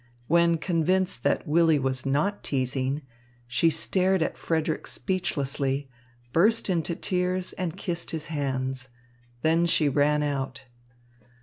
When convinced that Willy was not teasing, she stared at Frederick speechlessly, burst into tears, and kissed his hands. Then she ran out.